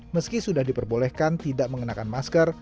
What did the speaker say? meski sudah diperbolehkan tidak mengenakan masker